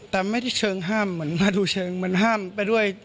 แต่ไม่ได้เชิงห้ามเหมือนมาดูเชิงเหมือนห้ามไปด้วย